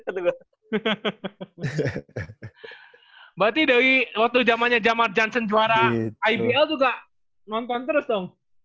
berarti dari waktu zamannya jamar johnson juara ibl tuh gak nonton terus dong